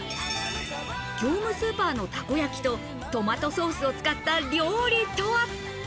業務スーパーのたこ焼きとトマトソースを使った料理とは？